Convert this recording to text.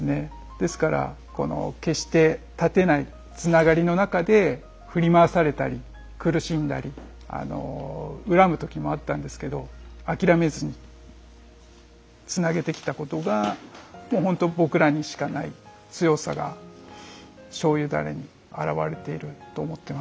ですから決して絶てないつながりの中で振り回されたり苦しんだり恨むときもあったんですけど諦めずにつなげてきたことがほんと僕らにしかない強さが醤油ダレに表れていると思ってます